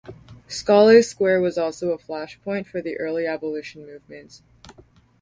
Scollay Square was also a flashpoint for the early abolition movement.